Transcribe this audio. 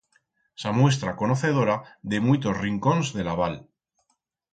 S'amuestra conocedora de muitos rincons de la val.